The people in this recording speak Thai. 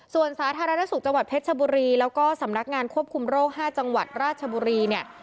ส่วนสาธารณสุขจังหวัดเพชรชบุรีแล้วก็สำนักงานควบคุมโรค๕จังหวัดราชบุรีเนี่ย